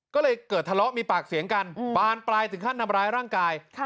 ก็เลยเกิดทะเลาะมีปากเสียงกันบานปลายถึงขั้นทำร้ายร่างกาย